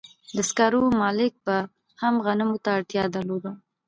د سکارو مالک به هم غنمو ته اړتیا درلوده